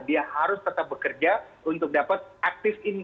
dia harus tetap bekerja untuk dapat income aktif